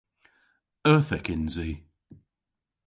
Euthyk yns i.